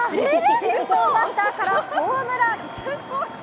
先頭バッターからホームラン。